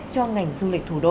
cho ngành du lịch thủ đô